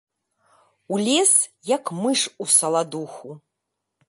Улез, як мыш у саладуху.